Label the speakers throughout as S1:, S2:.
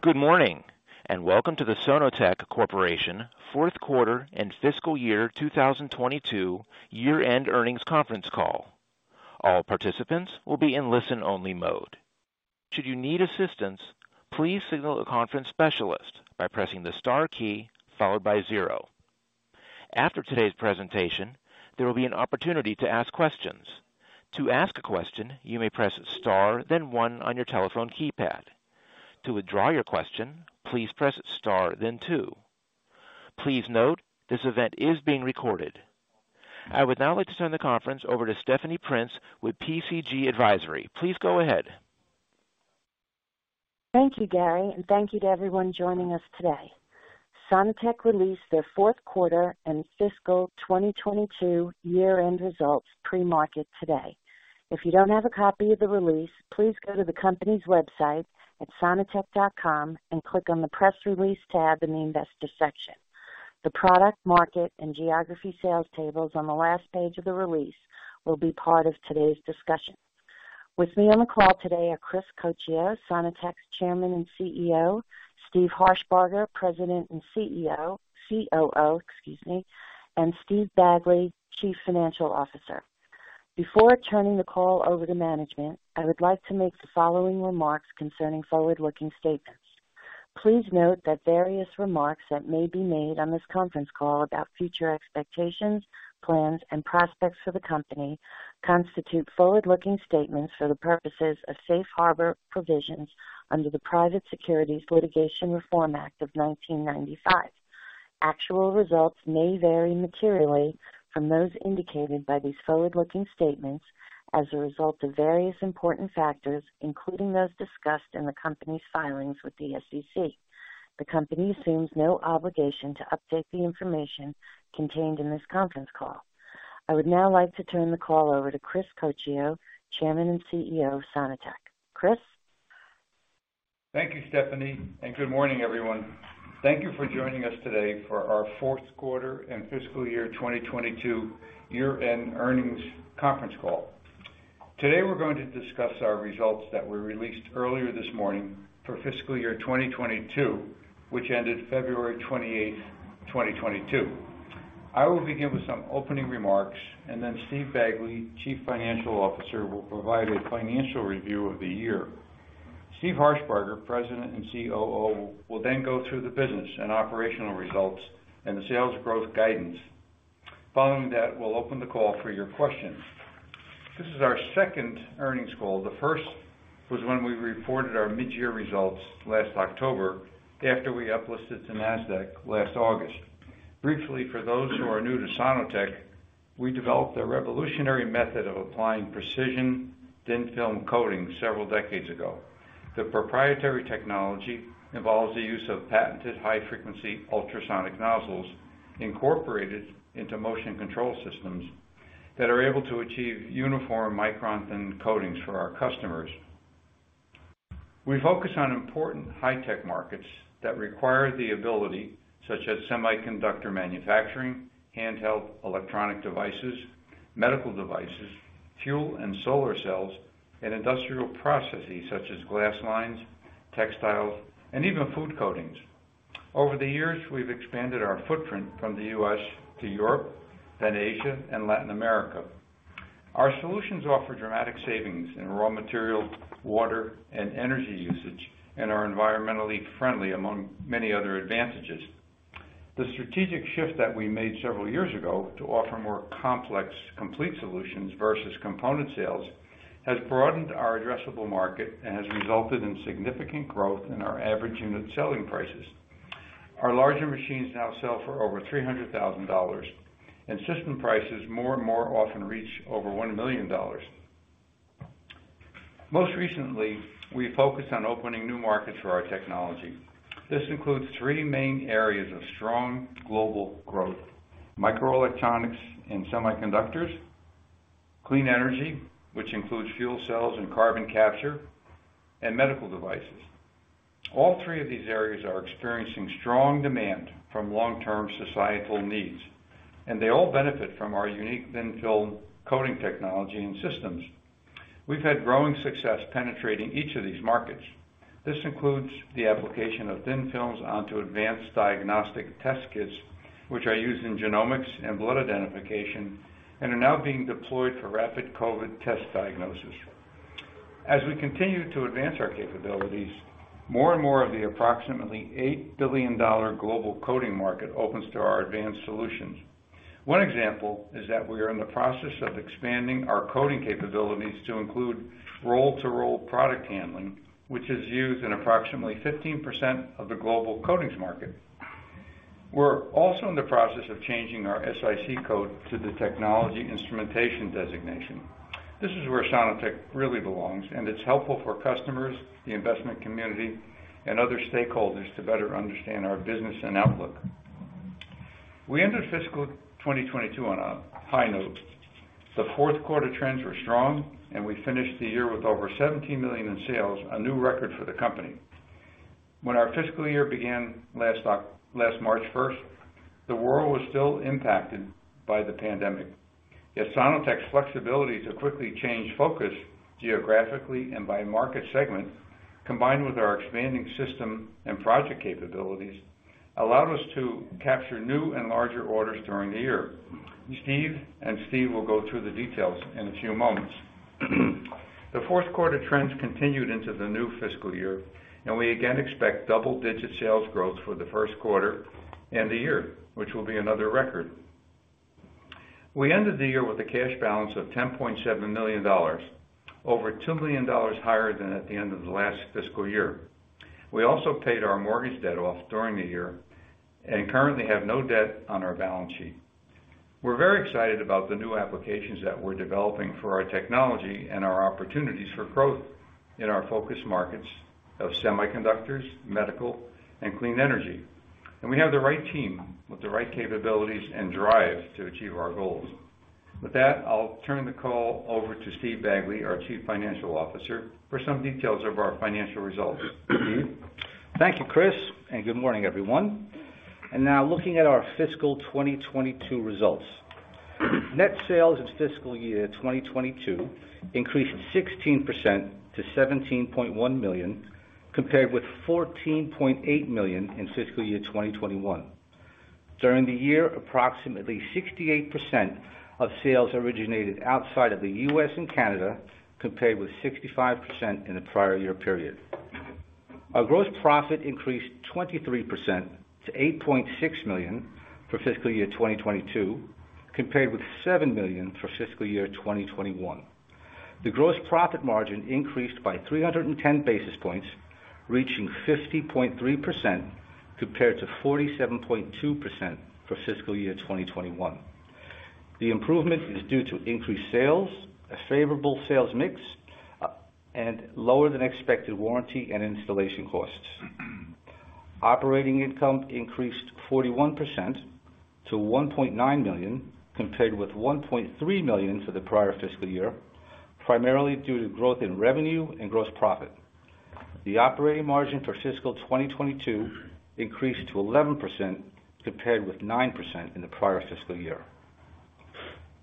S1: Good morning, and welcome to the Sono-Tek Corporation fourth quarter and fiscal year 2022 year-end earnings conference call. All participants will be in listen-only mode. Should you need assistance, please signal a conference specialist by pressing the star key followed by zero. After today's presentation, there will be an opportunity to ask questions. To ask a question, you may press star then one on your telephone keypad. To withdraw your question, please press star then two. Please note, this event is being recorded. I would now like to turn the conference over to Stephanie Prince with PCG Advisory. Please go ahead.
S2: Thank you, Gary, and thank you to everyone joining us today. Sono-Tek released their fourth quarter and fiscal 2022 year-end results pre-market today. If you don't have a copy of the release, please go to the company's website at sono-tek.com and click on the Press Release tab in the Investor section. The product, market, and geography sales tables on the last page of the release will be part of today's discussion. With me on the call today are Chris Coccio, Sono-Tek's Chairman and CEO, Steve Harshbarger, President and COO, and Steve Bagley, Chief Financial Officer. Before turning the call over to management, I would like to make the following remarks concerning forward-looking statements. Please note that various remarks that may be made on this conference call about future expectations, plans, and prospects for the company constitute forward-looking statements for the purposes of safe harbor provisions under the Private Securities Litigation Reform Act of 1995. Actual results may vary materially from those indicated by these forward-looking statements as a result of various important factors, including those discussed in the company's filings with the SEC. The company assumes no obligation to update the information contained in this conference call. I would now like to turn the call over to Chris Coccio, Chairman and CEO of Sono-Tek. Chris?
S3: Thank you, Stephanie, and good morning, everyone. Thank you for joining us today for our fourth quarter and fiscal year 2022 year-end earnings conference call. Today, we're going to discuss our results that were released earlier this morning for fiscal year 2022, which ended February 28, 2022. I will begin with some opening remarks, and then Steve Bagley, Chief Financial Officer, will provide a financial review of the year. Steve Harshbarger, President and COO, will then go through the business and operational results and the sales growth guidance. Following that, we'll open the call for your questions. This is our second earnings call. The first was when we reported our mid-year results last October after we uplisted to Nasdaq last August. Briefly, for those who are new to Sono-Tek, we developed a revolutionary method of applying precision thin-film coating several decades ago. The proprietary technology involves the use of patented high-frequency ultrasonic nozzles incorporated into motion control systems that are able to achieve uniform micron thin coatings for our customers. We focus on important high-tech markets that require the ability, such as semiconductor manufacturing, handheld electronic devices, medical devices, fuel and solar cells, and industrial processes such as glass lines, textiles, and even food coatings. Over the years, we've expanded our footprint from the U.S. to Europe, then Asia and Latin America. Our solutions offer dramatic savings in raw material, water, and energy usage and are environmentally friendly, among many other advantages. The strategic shift that we made several years ago to offer more complex, complete solutions versus component sales has broadened our addressable market and has resulted in significant growth in our average unit selling prices. Our larger machines now sell for over $300,000, and system prices more and more often reach over $1 million. Most recently, we focused on opening new markets for our technology. This includes three main areas of strong global growth, microelectronics and semiconductors, clean energy, which includes fuel cells and carbon capture, and medical devices. All three of these areas are experiencing strong demand from long-term societal needs, and they all benefit from our unique thin-film coating technology and systems. We've had growing success penetrating each of these markets. This includes the application of thin films onto advanced diagnostic test kits, which are used in genomics and blood identification and are now being deployed for rapid COVID test diagnosis. As we continue to advance our capabilities, more and more of the approximately $8 billion global coating market opens to our advanced solutions. One example is that we are in the process of expanding our coating capabilities to include roll-to-roll product handling, which is used in approximately 15% of the global coatings market. We're also in the process of changing our SIC code to the technology instrumentation designation. This is where Sono-Tek really belongs, and it's helpful for customers, the investment community, and other stakeholders to better understand our business and outlook. We ended fiscal 2022 on a high note. The fourth quarter trends were strong, and we finished the year with over $17 million in sales, a new record for the company. When our fiscal year began last March 1, the world was still impacted by the pandemic. Yet Sono-Tek's flexibility to quickly change focus geographically and by market segment, combined with our expanding system and project capabilities, allowed us to capture new and larger orders during the year. Steve and Steve will go through the details in a few moments. The fourth quarter trends continued into the new fiscal year, and we again expect double-digit sales growth for the first quarter and the year, which will be another record. We ended the year with a cash balance of $10.7 million, over $2 million higher than at the end of the last fiscal year. We also paid our mortgage debt off during the year and currently have no debt on our balance sheet. We're very excited about the new applications that we're developing for our technology and our opportunities for growth in our focus markets of semiconductors, medical, and clean energy. We have the right team with the right capabilities and drive to achieve our goals. With that, I'll turn the call over to Steve Bagley, our Chief Financial Officer, for some details of our financial results. Steve.
S4: Thank you, Chris, and good morning, everyone. Now looking at our fiscal 2022 results. Net sales in fiscal year 2022 increased 16% to $17.1 million, compared with $14.8 million in fiscal year 2021. During the year, approximately 68% of sales originated outside of the U.S. and Canada, compared with 65% in the prior year period. Our gross profit increased 23% to $8.6 million for fiscal year 2022, compared with $7 million for fiscal year 2021. The gross profit margin increased by 310 basis points, reaching 50.3% compared to 47.2% for fiscal year 2021. The improvement is due to increased sales, a favorable sales mix, and lower than expected warranty and installation costs. Operating income increased 41% to $1.9 million, compared with $1.3 million for the prior fiscal year, primarily due to growth in revenue and gross profit. The operating margin for fiscal 2022 increased to 11%, compared with 9% in the prior fiscal year.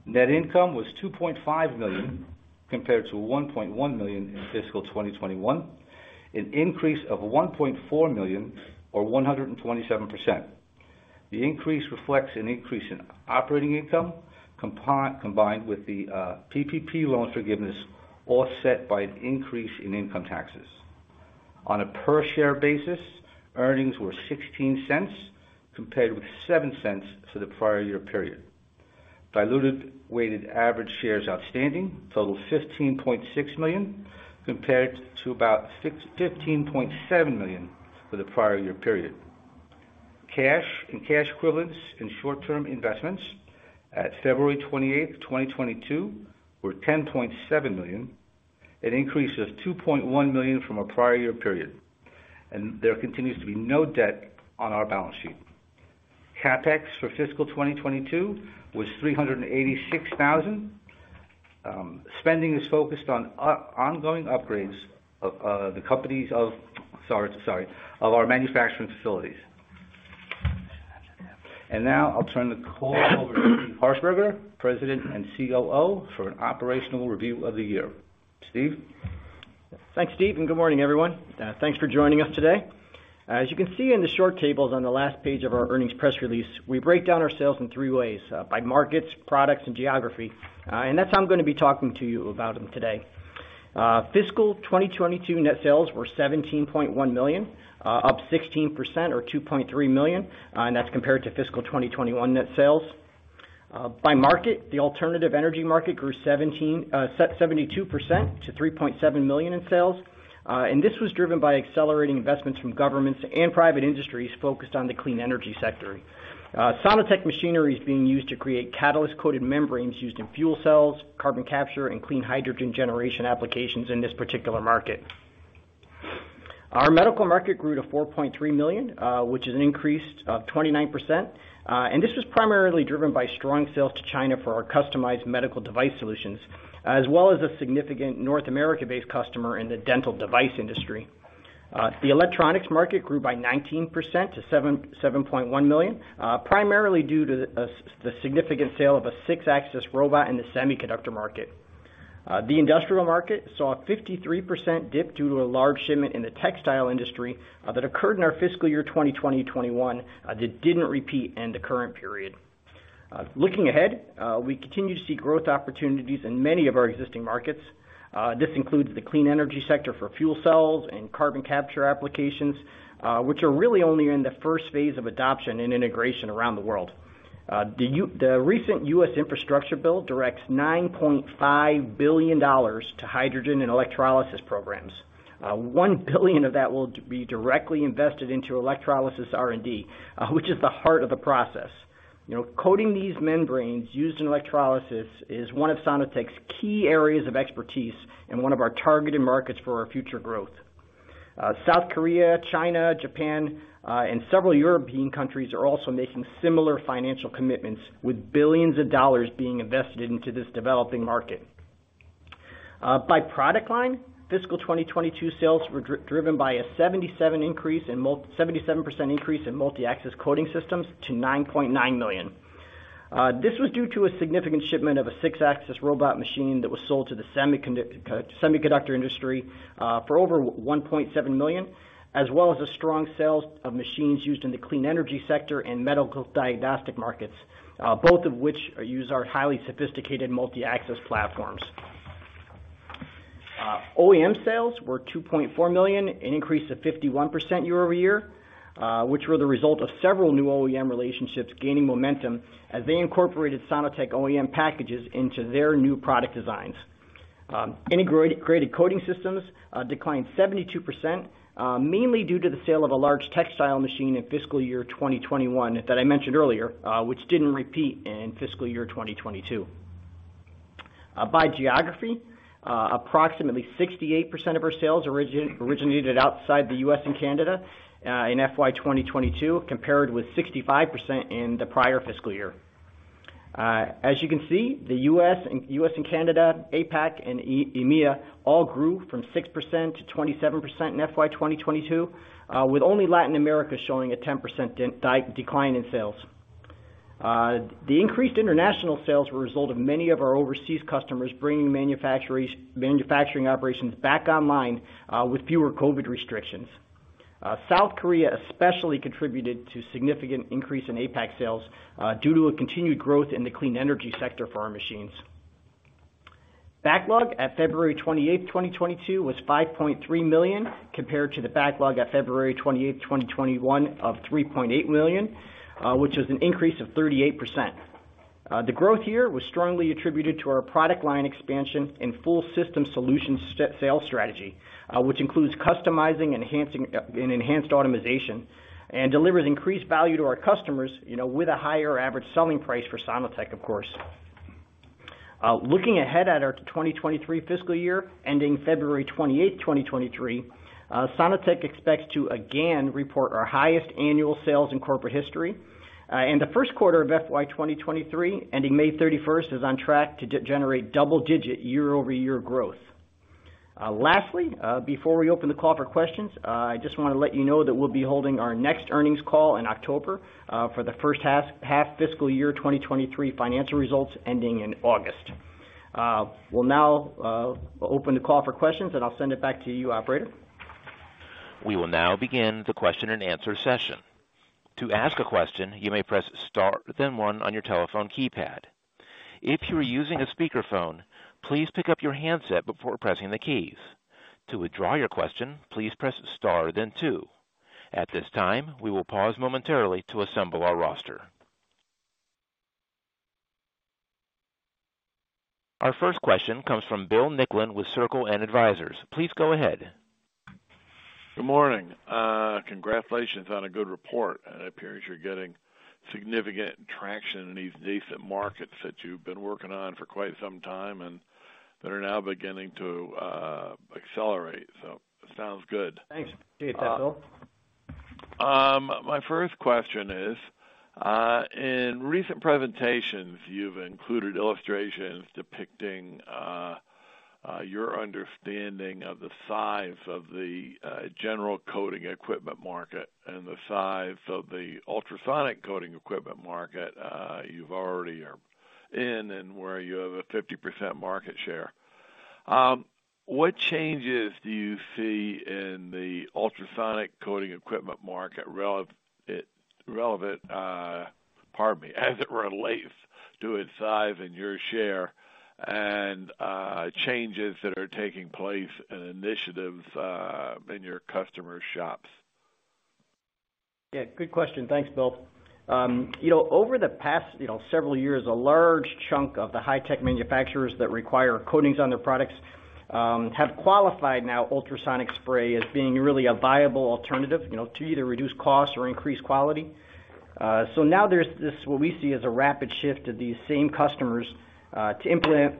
S4: Net income was $2.5 million compared to $1.1 million in fiscal 2021, an increase of $1.4 million or 127%. The increase reflects an increase in operating income combined with the PPP loan forgiveness, offset by an increase in income taxes. On a per share basis, earnings were $0.16 compared with $0.07 for the prior year period. Diluted weighted average shares outstanding total 15.6 million, compared to $15.7 million for the prior year period. Cash and cash equivalents and short-term investments at February 28, 2022 were $10.7 million, an increase of $2.1 million from a prior year period. There continues to be no debt on our balance sheet. CapEx for fiscal 2022 was $386,000. Spending is focused on ongoing upgrades of our manufacturing facilities.
S3: Now I'll turn the call over to Steve Harshbarger, President and COO, for an operational review of the year. Steve?
S5: Thanks, Steve, and good morning, everyone. Thanks for joining us today. As you can see in the short tables on the last page of our earnings press release, we break down our sales in three ways, by markets, products, and geography. That's how I'm gonna be talking to you about them today. Fiscal 2022 net sales were $17.1 million, up 16% or $2.3 million, and that's compared to fiscal 2021 net sales. By market, the alternative energy market grew 72% to $3.7 million in sales. This was driven by accelerating investments from governments and private industries focused on the clean energy sector. Sono-Tek machinery is being used to create catalyst-coated membranes used in fuel cells, carbon capture, and clean hydrogen generation applications in this particular market. Our medical market grew to $4.3 million, which is an increase of 29%. This was primarily driven by strong sales to China for our customized medical device solutions, as well as a significant North America-based customer in the dental device industry. The electronics market grew by 19% to $7.1 million, primarily due to the significant sale of a six-axis robot in the semiconductor market. The industrial market saw a 53% dip due to a large shipment in the textile industry that occurred in our fiscal year 2021 that didn't repeat in the current period. Looking ahead, we continue to see growth opportunities in many of our existing markets. This includes the clean energy sector for fuel cells and carbon capture applications, which are really only in the first phase of adoption and integration around the world. The recent U.S. infrastructure bill directs $9.5 billion to hydrogen and electrolysis programs. 1 billion of that will be directly invested into electrolysis R&D, which is the heart of the process. You know, coating these membranes used in electrolysis is one of Sono-Tek's key areas of expertise and one of our targeted markets for our future growth. South Korea, China, Japan, and several European countries are also making similar financial commitments with billions of dollars being invested into this developing market. By product line, fiscal 2022 sales were driven by a 77% increase in multi-axis coating systems to $9.9 million. This was due to a significant shipment of a six-axis robot machine that was sold to the semiconductor industry for over $1.7 million, as well as the strong sales of machines used in the clean energy sector and medical diagnostic markets, both of which use our highly sophisticated multi-axis platforms. OEM sales were $2.4 million, an increase of 51% year-over-year, which were the result of several new OEM relationships gaining momentum as they incorporated Sono-Tek OEM packages into their new product designs. Integrated coating systems declined 72%, mainly due to the sale of a large textile machine in fiscal year 2021 that I mentioned earlier, which didn't repeat in fiscal year 2022. By geography, approximately 68% of our sales originated outside the U.S. and Canada in FY 2022, compared with 65% in the prior fiscal year. As you can see, the U.S. and Canada, APAC, and EMEA all grew from 6% to 27% in FY 2022, with only Latin America showing a 10% decline in sales. The increased international sales were a result of many of our overseas customers bringing manufacturing operations back online with fewer COVID restrictions. South Korea especially contributed to significant increase in APAC sales due to a continued growth in the clean energy sector for our machines. Backlog at February 28, 2022 was $5.3 million, compared to the backlog at February 28, 2021 of $3.8 million, which is an increase of 38%. The growth here was strongly attributed to our product line expansion and full system solution sale strategy, which includes customizing enhancing, and enhanced automation and delivers increased value to our customers, you know, with a higher average selling price for Sono-Tek, of course. Looking ahead at our 2023 fiscal year, ending February 28, 2023, Sono-Tek expects to again report our highest annual sales in corporate history. The first quarter of FY 2023, ending May 31st, is on track to generate double-digit year-over-year growth. Lastly, before we open the call for questions, I just wanna let you know that we'll be holding our next earnings call in October, for the first half fiscal year 2023 financial results ending in August. We'll now open the call for questions, and I'll send it back to you, Operator.
S1: We will now begin the question-and-answer session. To ask a question, you may press star, then one on your telephone keypad. If you are using a speakerphone, please pick up your handset before pressing the keys. To withdraw your question, please press star, then two. At this time, we will pause momentarily to assemble our roster. Our first question comes from Bill Nicklin with Circle N Advisors. Please go ahead.
S6: Good morning. Congratulations on a good report. It appears you're getting significant traction in these decent markets that you've been working on for quite some time and that are now beginning to accelerate. It sounds good.
S5: Thanks for the update, Bill.
S6: My first question is, in recent presentations, you've included illustrations depicting your understanding of the size of the general coating equipment market and the size of the ultrasonic coating equipment market you're already in and where you have a 50% market share. What changes do you see in the ultrasonic coating equipment market relevant, pardon me, as it relates to its size and your share and changes that are taking place and initiatives in your customer shops?
S5: Yeah, good question. Thanks, Bill. You know, over the past several years, you know, a large chunk of the high tech manufacturers that require coatings on their products have qualified now ultrasonic spray as being really a viable alternative, you know, to either reduce costs or increase quality. Now there's this, what we see as a rapid shift of these same customers to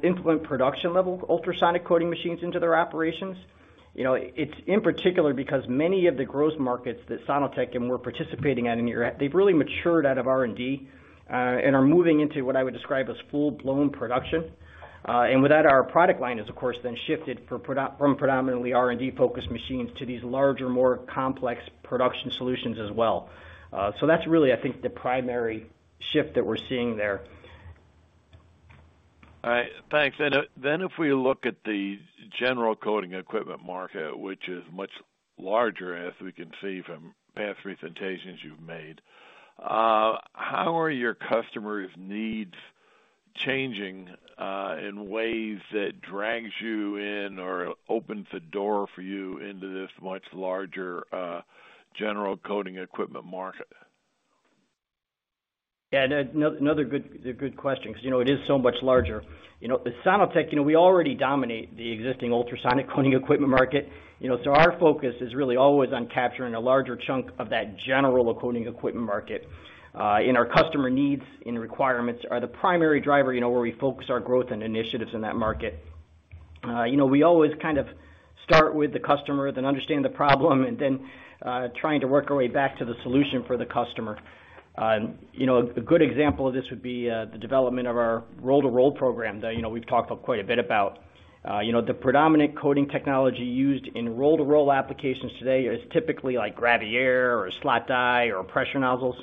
S5: implement production level ultrasonic coating machines into their operations. You know, it's in particular because many of the growth markets that Sono-Tek and we're participating in, they've really matured out of R&D and are moving into what I would describe as full-blown production. With that, our product line has of course then shifted from predominantly R&D focused machines to these larger, more complex production solutions as well. That's really, I think, the primary shift that we're seeing there.
S6: All right. Thanks. Then if we look at the general coating equipment market, which is much larger, as we can see from past presentations you've made, how are your customers' needs changing, in ways that drags you in or opens the door for you into this much larger, general coating equipment market?
S5: Yeah, another good question, 'cause, you know, it is so much larger. You know, at Sono-Tek, you know, we already dominate the existing ultrasonic coating equipment market. You know, so our focus is really always on capturing a larger chunk of that general coating equipment market. And our customer needs and requirements are the primary driver, you know, where we focus our growth and initiatives in that market. You know, we always kind of start with the customer, then understand the problem, and then trying to work our way back to the solution for the customer. You know, a good example of this would be the development of our roll-to-roll program that, you know, we've talked quite a bit about. You know, the predominant coating technology used in roll-to-roll applications today is typically like gravure or slot die or pressure nozzles.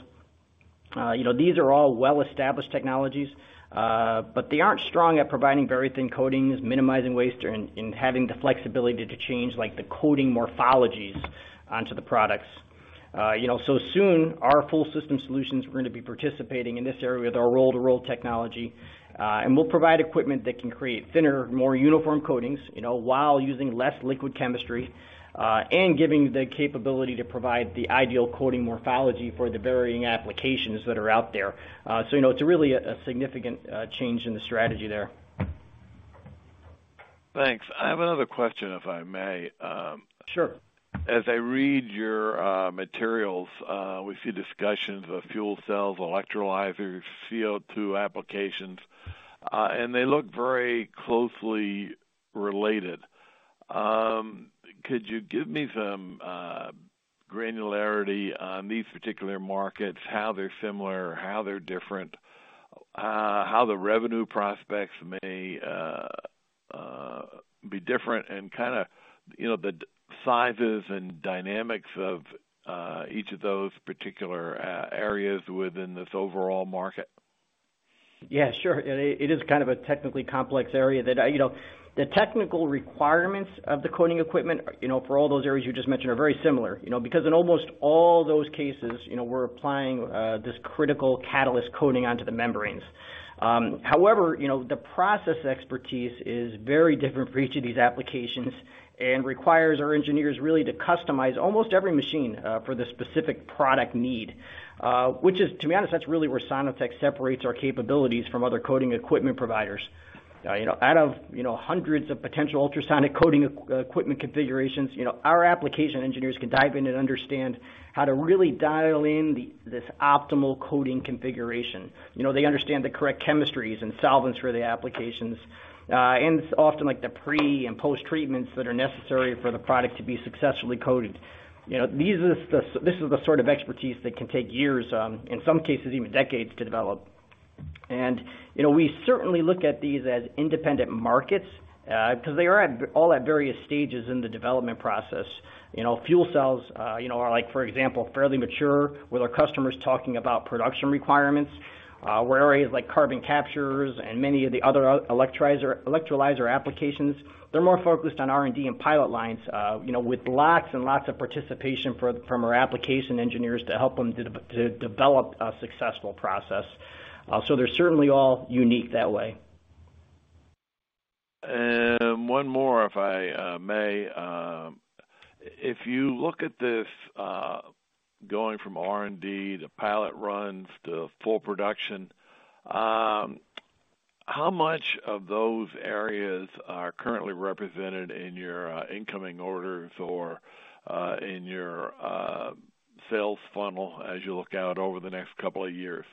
S5: You know, these are all well-established technologies, but they aren't strong at providing very thin coatings, minimizing waste, or in having the flexibility to change like the coating morphologies onto the products. You know, Sono-Tek's full system solutions are gonna be participating in this area with our roll-to-roll technology. We'll provide equipment that can create thinner, more uniform coatings, you know, while using less liquid chemistry, and giving the capability to provide the ideal coating morphology for the varying applications that are out there. You know, it's really a significant change in the strategy there.
S6: Thanks. I have another question, if I may.
S5: Sure.
S6: As I read your materials, we see discussions of fuel cells, electrolyzers, CO2 applications, and they look very closely related. Could you give me some granularity on these particular markets, how they're similar, how they're different, how the revenue prospects may be different and kinda, you know, the sizes and dynamics of each of those particular areas within this overall market?
S5: Yeah, sure. It is kind of a technically complex area. You know, the technical requirements of the coating equipment, you know, for all those areas you just mentioned, are very similar. You know, because in almost all those cases, you know, we're applying this critical catalyst coating onto the membranes. However, you know, the process expertise is very different for each of these applications and requires our engineers really to customize almost every machine for the specific product need. Which is, to be honest, that's really where Sono-Tek separates our capabilities from other coating equipment providers. You know, out of, you know, hundreds of potential ultrasonic coating equipment configurations, you know, our application engineers can dive in and understand how to really dial in this optimal coating configuration. You know, they understand the correct chemistries and solvents for the applications. It's often like the pre and post-treatments that are necessary for the product to be successfully coated. You know, this is the sort of expertise that can take years, in some cases, even decades, to develop. You know, we certainly look at these as independent markets, because they are all at various stages in the development process. You know, fuel cells, you know, are like, for example, fairly mature, with our customers talking about production requirements. Where areas like carbon capture and many of the other electrolyzer applications, they're more focused on R&D and pilot lines, you know, with lots and lots of participation from our application engineers to help them develop a successful process. They're certainly all unique that way.
S6: One more, if I may. If you look at this, going from R&D to pilot runs to full production, how much of those areas are currently represented in your incoming orders or in your sales funnel as you look out over the next couple of years?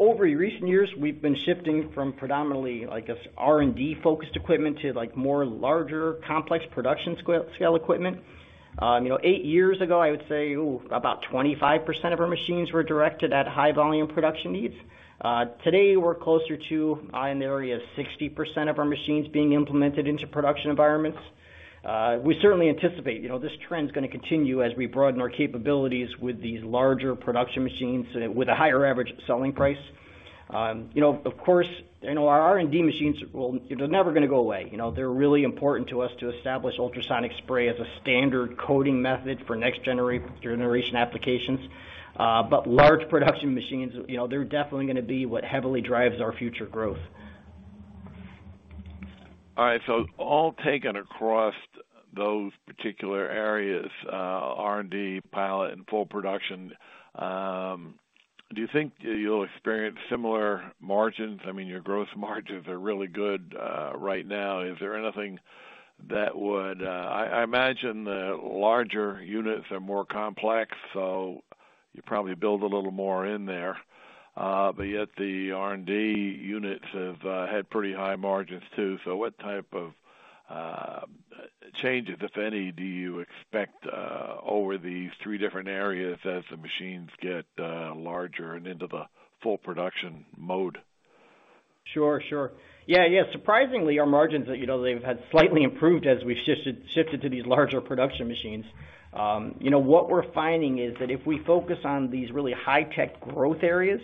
S5: Over recent years, we've been shifting from predominantly, I guess, R&D focused equipment to like more larger, complex production scale equipment. You know, eight years ago, I would say, about 25% of our machines were directed at high volume production needs. Today, we're closer to, in the area of 60% of our machines being implemented into production environments. We certainly anticipate, you know, this trend's gonna continue as we broaden our capabilities with these larger production machines with a higher average selling price. You know, of course, you know, our R&D machines will. They're never gonna go away. You know, they're really important to us to establish ultrasonic spray as a standard coating method for next generation applications. But large production machines, you know, they're definitely gonna be what heavily drives our future growth.
S6: All right. All taken across those particular areas, R&D, pilot, and full production, do you think you'll experience similar margins? I mean, your gross margins are really good, right now. Is there anything that would, I imagine the larger units are more complex, so you probably build a little more in there. But yet the R&D units have had pretty high margins too. So what type of changes, if any, do you expect over these three different areas as the machines get larger and into the full production mode?
S5: Sure. Yeah. Surprisingly, our margins, you know, they've had slightly improved as we've shifted to these larger production machines. You know, what we're finding is that if we focus on these really high tech growth areas,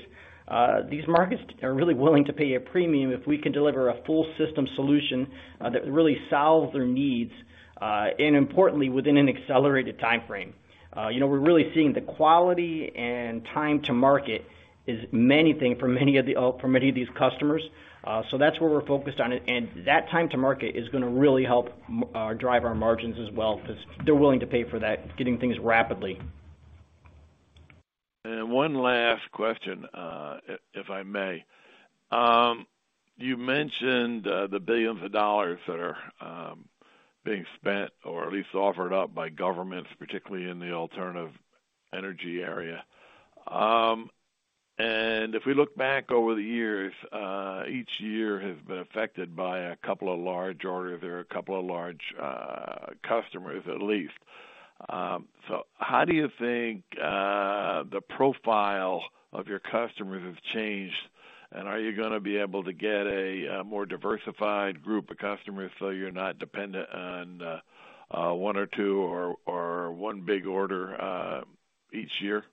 S5: these markets are really willing to pay a premium if we can deliver a full system solution that really solves their needs and importantly, within an accelerated timeframe. You know, we're really seeing the quality and time to market is the main thing for many of these customers. So that's where we're focused on it. That time to market is gonna really help drive our margins as well, 'cause they're willing to pay for that, getting things rapidly.
S6: One last question, if I may. You mentioned the billions of dollars that are being spent or at least offered up by governments, particularly in the alternative energy area. If we look back over the years, each year has been affected by a couple of large orders. There are a couple of large customers at least. How do you think the profile of your customers has changed, and are you gonna be able to get a more diversified group of customers so you're not dependent on one or two or one big order each year?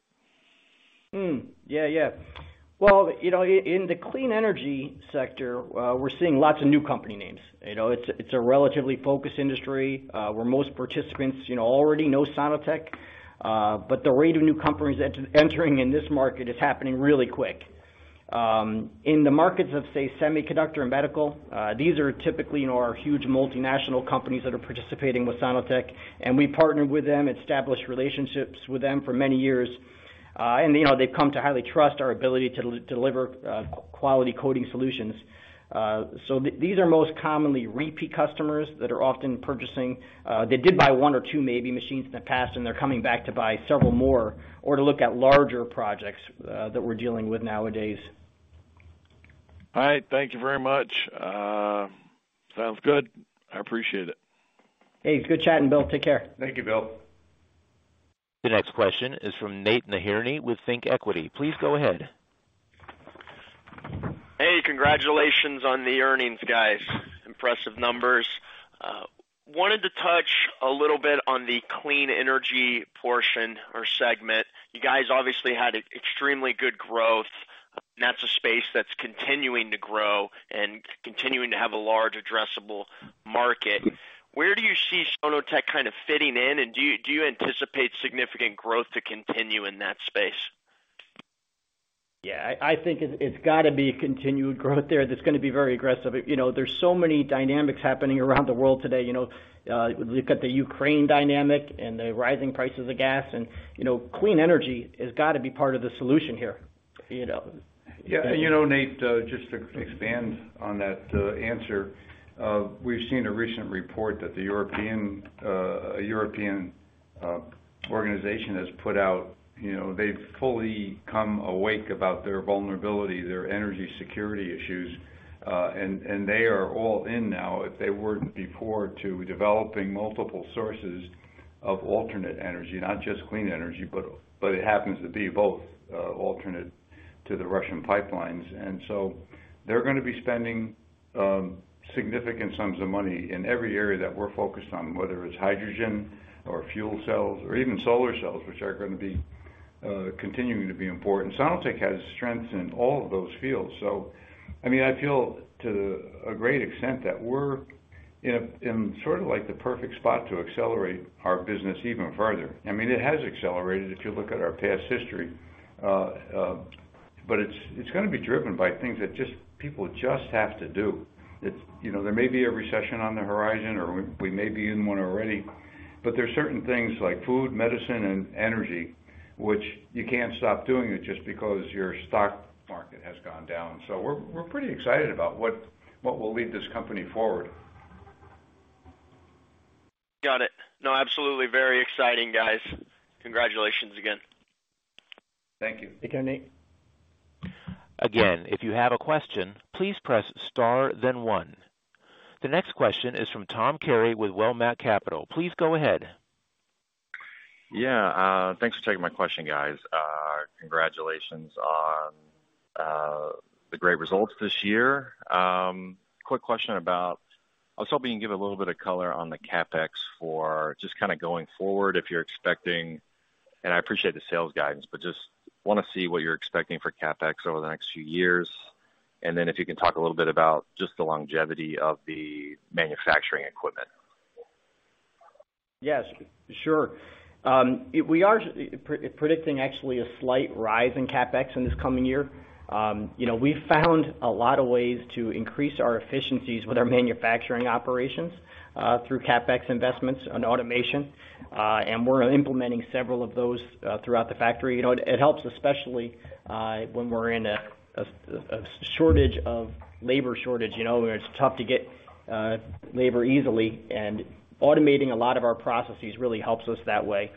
S5: Well, you know, in the clean energy sector, we're seeing lots of new company names. You know, it's a relatively focused industry, where most participants, you know, already know Sono-Tek. But the rate of new companies entering in this market is happening really quick. In the markets of, say, semiconductor and medical, these are typically, you know, huge multinational companies that are participating with Sono-Tek, and we partner with them, establish relationships with them for many years. And, you know, they've come to highly trust our ability to deliver quality coating solutions. These are most commonly repeat customers that are often purchasing. They did buy one or two, maybe, machines in the past, and they're coming back to buy several more or to look at larger projects that we're dealing with nowadays.
S6: All right. Thank you very much. Sounds good. I appreciate it.
S5: Hey, good chatting, Bill. Take care.
S3: Thank you, Bill.
S1: The next question is from Nate Nahirny with ThinkEquity. Please go ahead.
S7: Hey, congratulations on the earnings, guys. Impressive numbers. Wanted to touch a little bit on the clean energy portion or segment. You guys obviously had extremely good growth. That's a space that's continuing to grow and continuing to have a large addressable market. Where do you see Sono-Tek kind of fitting in, and do you anticipate significant growth to continue in that space?
S5: Yeah. I think it's gotta be continued growth there that's gonna be very aggressive. You know, there's so many dynamics happening around the world today. You know, look at the Ukraine dynamic and the rising prices of gas and, you know, clean energy has gotta be part of the solution here, you know.
S3: Yeah. You know, Nate, just to expand on that answer, we've seen a recent report that a European organization has put out. You know, they've fully come awake about their vulnerability, their energy security issues, and they are all in now. If they weren't before to developing multiple sources of alternate energy, not just clean energy, but it happens to be both, alternate to the Russian pipelines. They're gonna be spending significant sums of money in every area that we're focused on, whether it's hydrogen or fuel cells or even solar cells, which are gonna be continuing to be important. Sono-Tek has strengths in all of those fields. I mean, I feel to a great extent that we're in sort of like the perfect spot to accelerate our business even further. I mean, it has accelerated if you look at our past history, but it's gonna be driven by things that people just have to do. You know, there may be a recession on the horizon or we may be in one already, but there are certain things like food, medicine, and energy, which you can't stop doing it just because your stock market has gone down. We're pretty excited about what will lead this company forward.
S7: Got it. No, absolutely. Very exciting, guys. Congratulations again.
S3: Thank you.
S5: Take care, Nate.
S1: Again, if you have a question, please press star then one. The next question is from Tom Carey with Wilmette Capital. Please go ahead.
S8: Yeah. Thanks for taking my question, guys. Congratulations on the great results this year. Quick question. I was hoping you can give a little bit of color on the CapEx for just kinda going forward, if you're expecting, and I appreciate the sales guidance, but just wanna see what you're expecting for CapEx over the next few years. Then if you can talk a little bit about just the longevity of the manufacturing equipment.
S5: Yes, sure. We are predicting actually a slight rise in CapEx in this coming year. You know, we found a lot of ways to increase our efficiencies with our manufacturing operations through CapEx investments on automation. We're implementing several of those throughout the factory. You know, it helps, especially when we're in a labor shortage, you know, where it's tough to get labor easily. Automating a lot of our processes really helps us that way.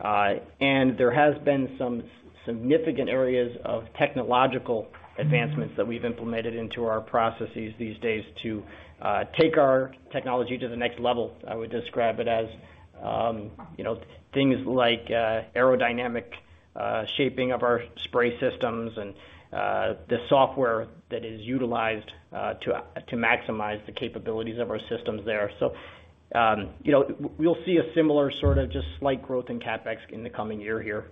S5: There has been some significant areas of technological advancements that we've implemented into our processes these days to take our technology to the next level, I would describe it as. You know, things like aerodynamic shaping of our spray systems and the software that is utilized to maximize the capabilities of our systems there. You know, we'll see a similar sort of just slight growth in CapEx in the coming year here.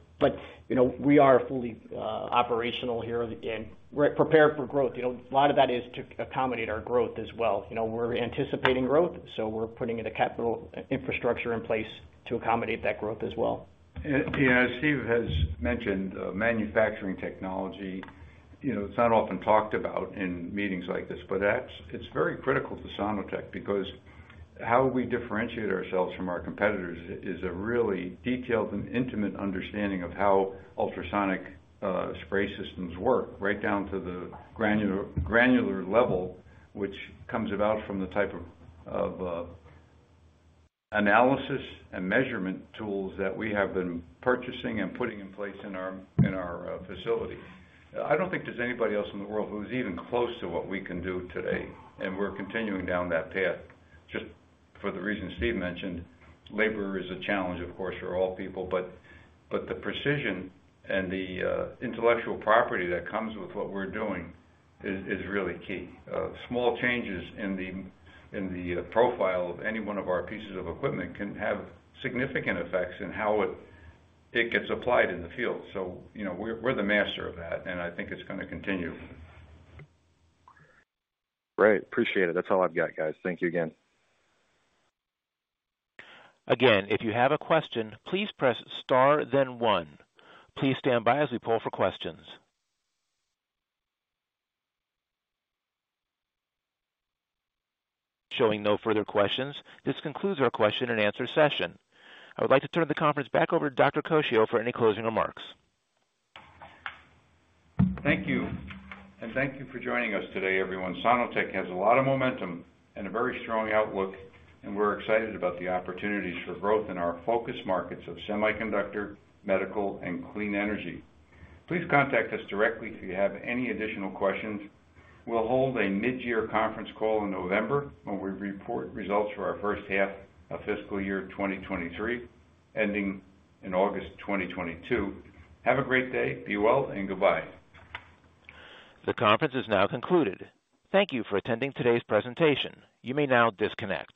S5: You know, we are fully operational here and we're prepared for growth. You know, a lot of that is to accommodate our growth as well. You know, we're anticipating growth, so we're putting in a capital infrastructure in place to accommodate that growth as well.
S3: You know, as Steve has mentioned, manufacturing technology, you know, it's not often talked about in meetings like this, but it's very critical to Sono-Tek because how we differentiate ourselves from our competitors is a really detailed and intimate understanding of how ultrasonic spray systems work, right down to the granular level, which comes about from the type of analysis and measurement tools that we have been purchasing and putting in place in our facility. I don't think there's anybody else in the world who's even close to what we can do today, and we're continuing down that path. Just for the reasons Steve mentioned, labor is a challenge, of course, for all people, but the precision and the intellectual property that comes with what we're doing is really key. Small changes in the profile of any one of our pieces of equipment can have significant effects in how it gets applied in the field. You know, we're the master of that, and I think it's gonna continue.
S8: Great. Appreciate it. That's all I've got, guys. Thank you again.
S1: Again, if you have a question, please press star then one. Please stand by as we poll for questions. Showing no further questions. This concludes our question and answer session. I would like to turn the conference back over to Dr. Coccio for any closing remarks.
S3: Thank you. Thank you for joining us today, everyone. Sono-Tek has a lot of momentum and a very strong outlook, and we're excited about the opportunities for growth in our focus markets of semiconductor, medical, and clean energy. Please contact us directly if you have any additional questions. We'll hold a mid-year conference call in November when we report results for our first half of fiscal year 2023, ending in August 2022. Have a great day, be well, and goodbye.
S1: The conference is now concluded. Thank you for attending today's presentation. You may now disconnect.